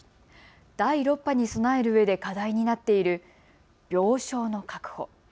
第６波に備えるうえで課題になっている病床の確保。